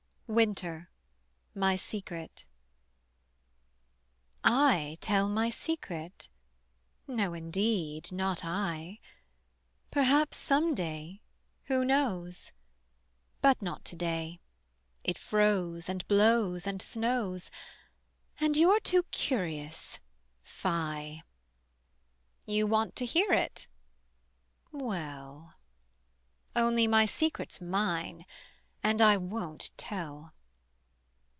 WINTER: MY SECRET. I tell my secret? No indeed, not I: Perhaps some day, who knows? But not to day; it froze, and blows, and snows, And you're too curious: fie! You want to hear it? well: Only, my secret's mine, and I won't tell.